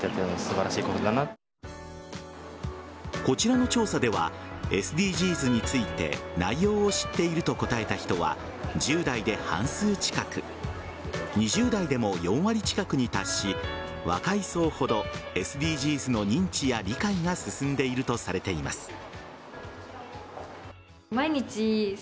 こちらの調査ではＳＤＧｓについて内容を知っていると答えた人は１０代で半数近く２０代でも４割近くに達し若い層ほどＳＤＧｓの認知や理解が進んでいるとされています。